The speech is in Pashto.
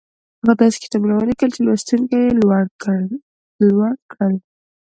هغه داسې کتابونه وليکل چې لوستونکي يې لوړ کړل.